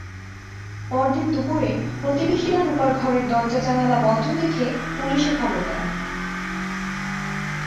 পরদিন দুপুরে প্রতিবেশীরা রুপার ঘরের দরজা-জানালা বন্ধ দেখে পুলিশে খবর দেন।